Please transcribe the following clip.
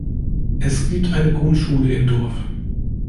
Es gibt eine Grundschule im Dorf.